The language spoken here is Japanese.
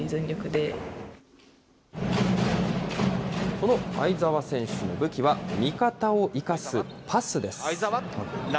この相澤選手の武器は、味方を生かすパスです。